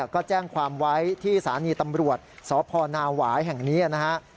ก็แจ้งความไว้ที่สถานีตำรวจสพนาหวายแห่งนี้นะฮะ